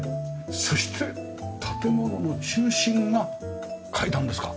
そして建物の中心が階段ですか？